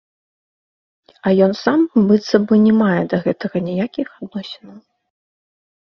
А ён сам быццам бы не мае да гэтага ніякіх адносінаў.